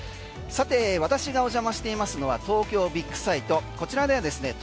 私がお邪魔していますのは東京ビックサイトこちらではですね